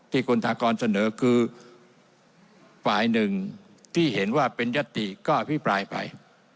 ที่คุณธกรเสนอคือฝ่ายหนึ่งที่เห็นว่าเป็นยติก็อภิปรายไป